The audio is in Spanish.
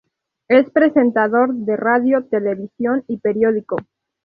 Es presentador de radio, televisión y periódico.